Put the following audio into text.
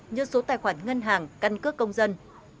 như số tài khoản ngân hàng căn cước công dân